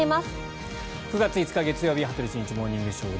９月５日、月曜日「羽鳥慎一モーニングショー」。